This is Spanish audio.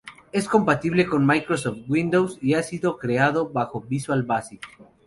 Es compatible con Microsoft Windows y ha sido creado bajo Visual Basic.